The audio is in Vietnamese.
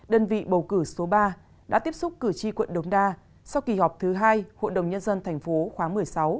đơn vị bầu cử số ba đã tiếp xúc cử tri quận đồng đa sau kỳ họp thứ hai hội đồng nhân dân tp hcm khoáng một mươi sáu